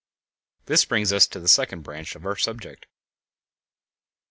This brings us to the second branch of our subject.